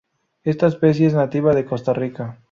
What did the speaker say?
Esta especie es nativa de Costa Rica.